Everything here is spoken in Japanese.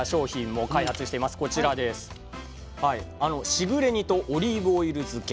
「しぐれ煮」と「オリーブオイル漬け」。